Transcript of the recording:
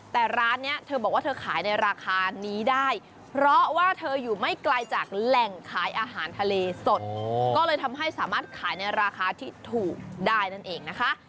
แต่ร้านนี้เธอบอกว่าเธอขายในราคานี้ได้เพราะว่าเธออยู่ไม่ไกลจากแหล่งขายอาหารทะเลสดก็เลยทำให้สามารถขายในราคาที่ถูกได้นั่นเองนะคะ